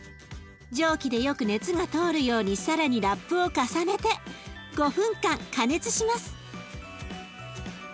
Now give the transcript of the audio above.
蒸気でよく熱が通るように更にラップを重ねて５分間加熱します。